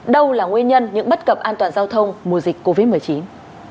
đâu là nguyên nhân những bất cập an toàn giao thông mùa dịch covid một mươi chín